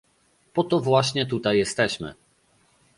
Po to właśnie tutaj jesteśmy